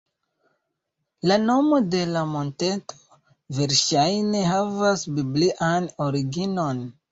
La nomo de la monteto verŝajne havas biblian originon.